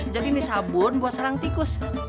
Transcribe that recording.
jadi ini sabun buat sarang tikus